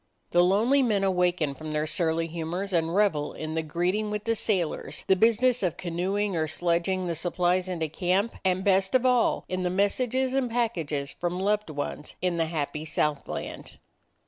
The lonely men awaken from their surly humors and revel in the greeting with the sailors, the business of canoeing or sledging the supplies into camp, and, best of all, in the messages and packages from loved ones in the happy Southland.